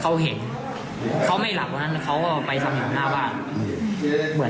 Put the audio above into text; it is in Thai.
เขาเห็นเขาไม่หลับตอนนั้นเขาก็ไปทำอยู่หน้าบ้าน